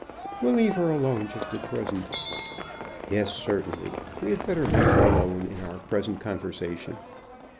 "We'll leave her alone just at present." "Yes, certainly. We had better leave her alone in our present conversation.